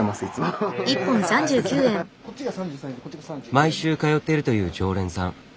毎週通っているという常連さん。